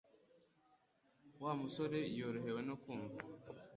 Wa musore yorohewe no kumva